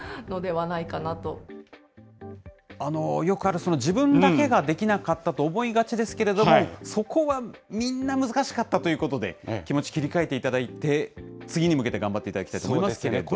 よくある自分だけができなかったと思いがちですけれども、そこはみんな難しかったということで、気持ち切り替えていただいて、次に向けて頑張っていただきたいと思いますけれど。